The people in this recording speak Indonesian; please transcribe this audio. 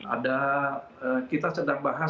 ada kita sedang bahas